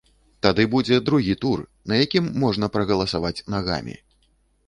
Тады будзе другі тур, на якім можна прагаласаваць нагамі.